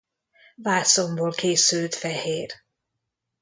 Vászonból készült fehér.